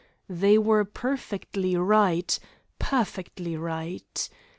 They were perfectly right, perfectly right.